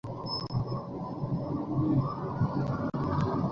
কিভাবে, স্যার?